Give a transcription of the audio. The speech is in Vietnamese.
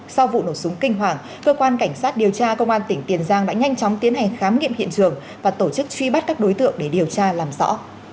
sau vụ nổ súng kinh hoàng cơ quan cảnh sát điều tra công an tỉnh tiền giang đã nhanh chóng tiến hành khám nghiệm hiện trường và tổ chức truy bắt các đối tượng để điều tra làm rõ